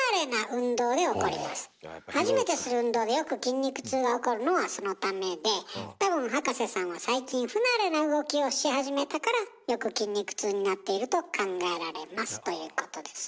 初めてする運動でよく筋肉痛が起こるのはそのためで多分葉加瀬さんは最近不慣れな動きをし始めたからよく筋肉痛になっていると考えられますということですよ。